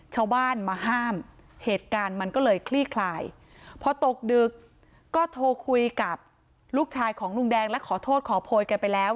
ชาวบ้านมาห้ามเหตุการณ์มันก็เลยคลี่คลายพอตกดึกก็โทรคุยกับลูกชายของลุงแดงและขอโทษขอโพยกันไปแล้ว